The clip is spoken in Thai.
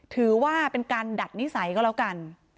ถือว่าเป็นการดัดนิสัยก็แล้วกัน